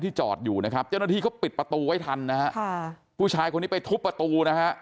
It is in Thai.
จอดอยู่นะครับเจ้าหน้าที่ก็ปิดประตูไว้ทันนะฮะค่ะผู้ชายคนนี้ไปทุบประตูนะฮะ